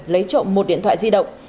lấy trộm một điện thoại di động